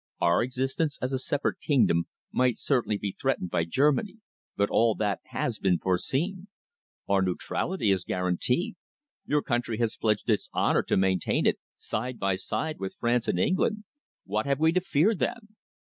Our existence as a separate kingdom might certainly be threatened by Germany, but all that has been foreseen. Our neutrality is guaranteed. Your country has pledged its honour to maintain it, side by side with France and England. What have we to fear, then?"